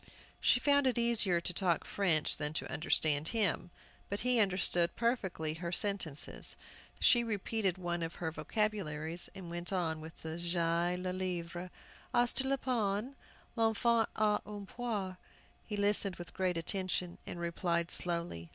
She found it easier to talk French than to understand him. But he understood perfectly her sentences. She repeated one of her vocabularies, and went on with "J'ai le livre." "As tu le pain?" "L'enfant a une poire." He listened with great attention, and replied slowly.